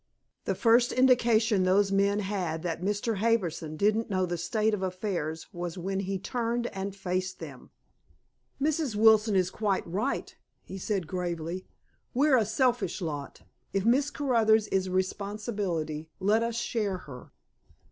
The first indication those men had that Mr. Harbison didn't know the state of affairs was when he turned and faced them. "Mrs. Wilson is quite right," he said gravely. "We're a selfish lot. If Miss Caruthers is a responsibility, let us share her."